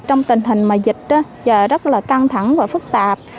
trong tình hình mà dịch giờ rất là căng thẳng và phức tạp